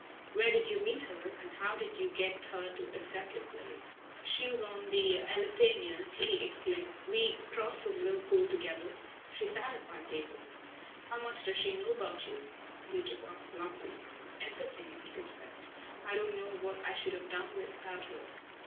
Where did you meet her, and how did you get her to accept your play?" "She was on the Elletania," he explained. "We crossed from Liverpool together. She sat at my table." "How much does she know about you?" Beatrice asked bluntly. "Everything," he confessed. "I don't know what I should have done without her.